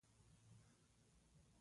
د سلطې د بیرته ټینګولو لپاره.